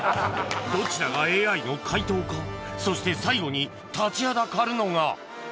どちらがＡＩの回答かそして最後に立ちはだかるのが！